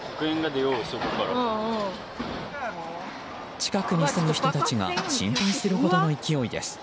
近くに住む人たちが心配するほどの勢いです。